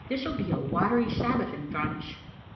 This'll be a watery Sabbath in Thrums."